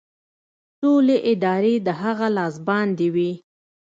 ټولې ادارې د هغه لاس باندې وې